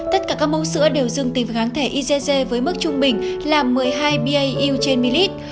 tất cả các mẫu sữa đều dừng tính với kháng thể igg với mức trung bình là một mươi hai bau trên milit